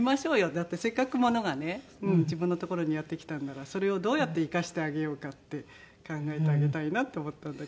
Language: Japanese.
だってせっかく物がね自分のところにやってきたんならそれをどうやって生かしてあげようかって考えてあげたいなって思ったんだけど。